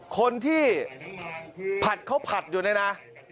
คนที่ผัดข้าวผัดอยู่เนี่ยนะ